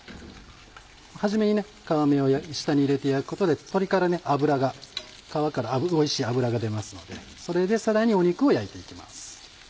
初めに皮目を下に入れて焼くことで鶏から脂が皮からおいしい脂が出ますのでそれでさらに肉を焼いて行きます。